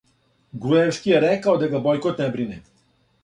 Груевски је рекао да га бојкот не брине.